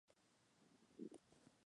De hecho, era de origen vasco.